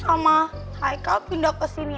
soalnya boy sama haikal pindah ke sini